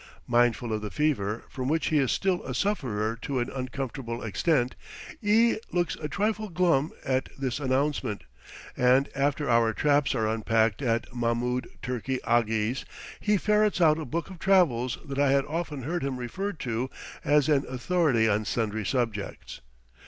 Mindful of the fever, from which he is still a sufferer to an uncomfortable extent, E looks a trifle glum at this announcement, and, after our traps are unpacked at Mahmoud Turki Aghi's, he ferrets out a book of travels that I had often heard him refer to as an authority on sundry subjects.